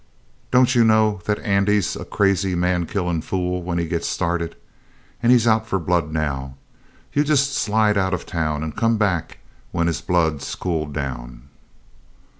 "Don't you know that Andy's a crazy, man killin' fool when he gets started? And he's out for blood now. You just slide out of town and come back when his blood's cooled down."